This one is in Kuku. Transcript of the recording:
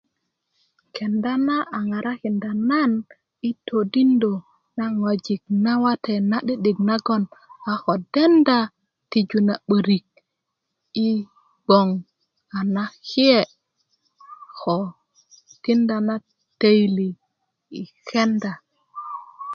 kenda na a ŋarakinda nan i todindö na ŋwajik nawate na'di'dik nagoŋ a ko denda tiju na 'börik i bgwon a nake ko tikinda na taili i kenda